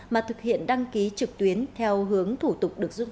mà thực hiện đăng ký trực tuyến theo hướng thủ tục được giúp